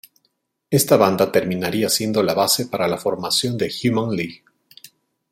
Esta banda terminaría siendo la base para la formación de The Human League.